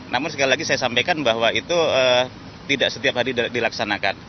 namun sekali lagi saya sampaikan bahwa itu tidak setiap hari dilaksanakan